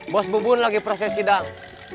bos bubun lagi proses sidang